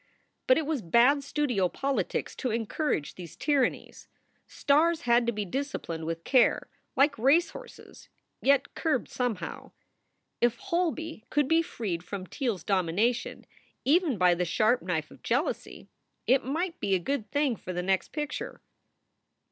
But it was bad studio politics to encourage these tyrannies. Stars had to be disciplined with care, like racehorses, yet curbed somehow. If Holby could be freed from Teele s domination, even by the sharp knife of jealousy, it might be a good thing for the next picture.